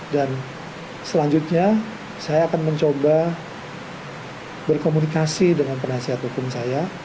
dan selanjutnya saya akan mencoba berkomunikasi dengan penasihat hukum saya